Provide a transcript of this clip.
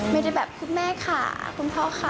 ไม่ได้แบบคุณแม่ค่ะคุณพ่อค่ะ